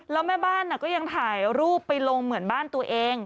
แล้วแม่บ้านก็ยังถ่ายรูปไปลงเหมือนบ้านตัวเอง